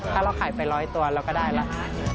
ถ้าเราขายไป๑๐๐ตัวเราก็ได้ราคา